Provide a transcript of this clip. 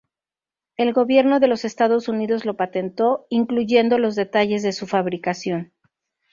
El gobierno de los Estados Unidos lo patentó, incluyendo los detalles de su fabricación.